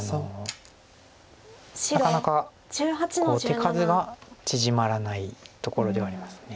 なかなか手数が縮まらないところではあります。